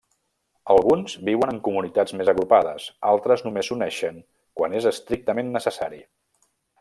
Alguns viuen en comunitats més agrupades, altres només s'uneixen quan és estrictament necessari.